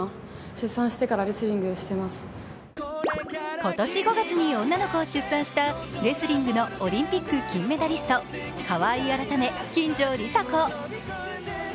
今年５月に女の子を出産したレスリングのオリンピック金メダリスト川井改め金城梨紗子。